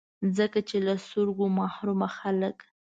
ځکه چي له سترګو محرومه خلګ